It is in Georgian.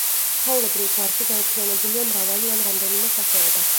ჩვეულებრივ, გვარში გაერთიანებულია მრავალი ან რამდენიმე სახეობა.